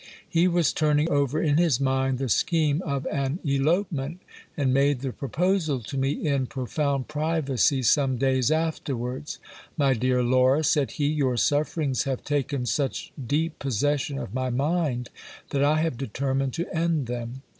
He was turning over in his mind the scheme of an elopement, and made the proposal to me in pro found privacy some days afterwards. My dear Laura, said he, your sufferings have taken such deep possession of my mind, that I have determined to end them.